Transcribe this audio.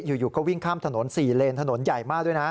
อยู่ก็วิ่งข้ามถนน๔เลนถนนใหญ่มากด้วยนะ